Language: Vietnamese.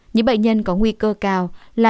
những bệnh nhân có nguy cơ cao là